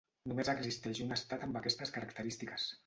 Només existeix un estat amb aquestes característiques: